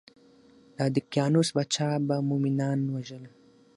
د دقیانوس پاچا به مومنان وژل.